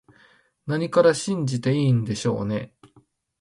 何から信じていいんでしょうね